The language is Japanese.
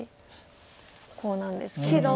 コウなんですけども。